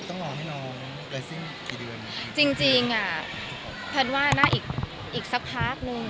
ต้องรอให้น้องเสร็จสิ้นกี่เดือนจริงจริงอ่ะแพทย์ว่าน่าอีกอีกสักพักนึง